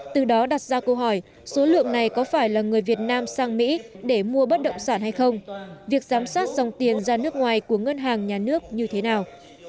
từ đó đặt ra câu hỏi số lượng này có phải là người việt nam sang mỹ để mua bất động sản hay không việc giám sát dòng tiền ra nước ngoài của ngân hàng nhà nước như thế nào